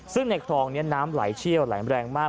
ซึ่งในคลองนี้น้ำไหลเชี่ยวไหลแรงมาก